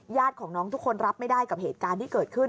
ญาติของน้องทุกคนรับไม่ได้กับเหตุการณ์ที่เกิดขึ้น